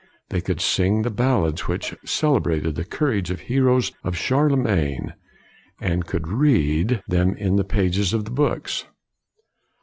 They could sing the ballads which celebrated the courage of the heroes of Charlemagne, and could read them in the pages of the books.